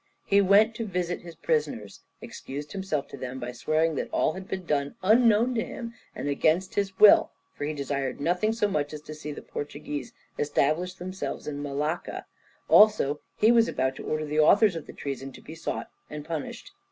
He went to visit his prisoners, excused himself to them by swearing that all had been done unknown to him and against his will, for he desired nothing so much as to see the Portuguese establish themselves in Malacca; also he was about to order the authors of the treason to be sought out and punished.